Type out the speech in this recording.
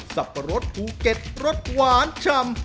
สับปะรดภูเก็ตรสหวานชำ